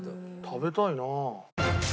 食べたいなあ。